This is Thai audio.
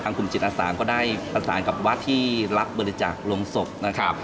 กลุ่มจิตอาสานก็ได้ประสานกับวัดที่รับบริจาคโรงศพนะครับ